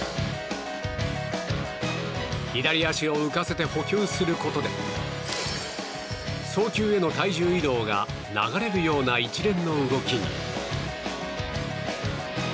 左足を浮かせて捕球することで送球への体重移動が流れるような一連の動きに。